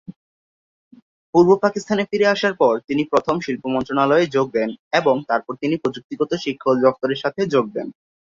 পূর্ব পাকিস্তানে ফিরে আসার পর, তিনি প্রথম শিল্প মন্ত্রণালয়ে যোগ দেন এবং তারপর তিনি প্রযুক্তিগত শিক্ষা অধিদফতরের সাথে যোগ দেন।